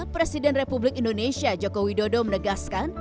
presiden republik indonesia joko widodo menegaskan